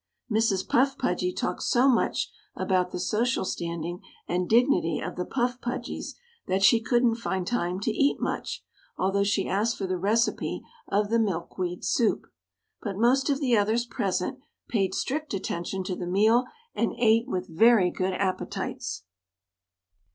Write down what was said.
Mrs. Puff Pudgy talked so much about the social standing and dignity of the Puff Pudgys that she couldn't find time to eat much, although she asked for the recipe of the milk weed soup. But most of the others present paid strict attention to the meal and ate with very good appetites.